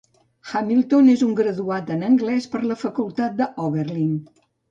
Hamilton és un graduat en anglès per la facultat Oberlin.